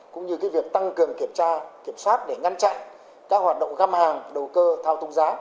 cũng như việc tăng cường kiểm soát để ngăn chặn các hoạt động găm hàng đầu cơ thao tung giá